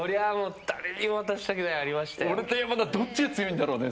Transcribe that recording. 俺と山田どっちが強いんだろうね